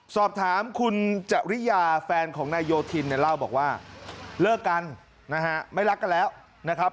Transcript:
สอบถามคุณจริยาแฟนของนายโยธินเนี่ยเล่าบอกว่าเลิกกันนะฮะไม่รักกันแล้วนะครับ